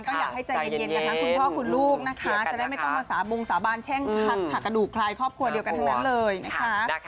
ก็อยากให้ใจเย็นกันทั้งคุณพ่อคุณลูกนะคะจะได้ไม่ต้องมาสาบงสาบานแช่งคัดหักกระดูกคลายครอบครัวเดียวกันทั้งนั้นเลยนะคะ